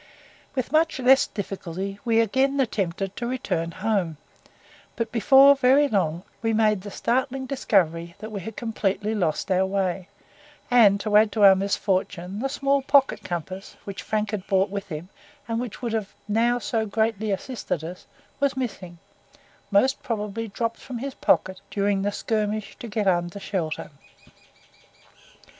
With much less difficulty we again attempted to return home, but before very long we made the startling discovery that we had completely lost our way, and to add to our misfortune the small pocket compass, which Frank had brought with him, and which would have now so greatly assisted us, was missing, most probably dropped from his pocket during the skirmish to get under shelter.